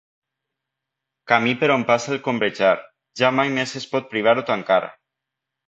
Camí per on passa el combregar, ja mai més es pot privar o tancar.